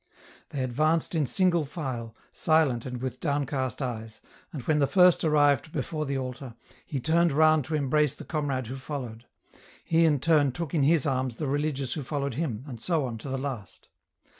They advanced in single file, silent and with downcast eyes, and when the first arrived before the altar, he turned round to embrace the comrade who followed ; he in turn took in his arms the religious who followed him, and so on to the last.